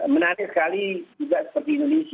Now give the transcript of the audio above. menarik sekali juga seperti indonesia